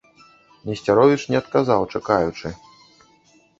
Несцяровіч не адказаў, чакаючы.